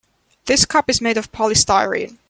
This cup is made of polystyrene.